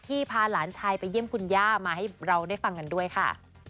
พาหลานชายไปเยี่ยมคุณย่ามาให้เราได้ฟังกันด้วยค่ะ